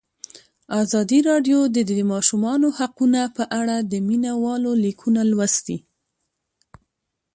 ازادي راډیو د د ماشومانو حقونه په اړه د مینه والو لیکونه لوستي.